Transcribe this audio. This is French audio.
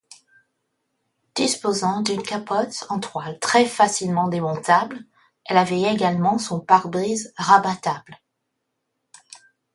Disposant d'une capote en toile très facilement démontable, elle avait également son pare-brise rabattable.